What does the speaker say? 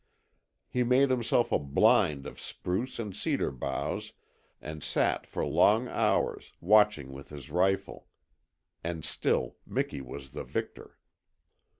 He made himself a "blind" of spruce and cedar boughs, and sat for long hours, watching with his rifle. And still Miki was the victor.